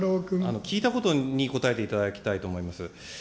聞いたことに答えていただきたいと思います。